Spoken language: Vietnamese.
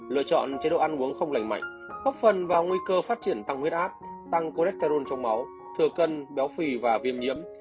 lựa chọn chế độ ăn uống không lành mạnh góp phần vào nguy cơ phát triển tăng huyết áp tăng cholectaron trong máu thừa cân béo phì và viêm nhiễm